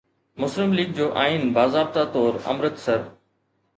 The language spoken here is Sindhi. مسلم ليگ جو آئين باضابطه طور امرتسر